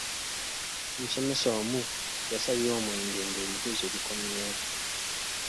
Omusomesa omu yasabye omwenge nga ebibuuzo bikomyewo.